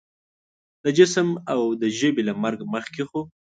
د جسم او د ژبې له مرګ مخکې خو